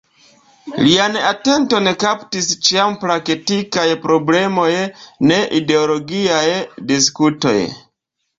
Lian atenton kaptis ĉiam praktikaj problemoj, ne ideologiaj diskutoj.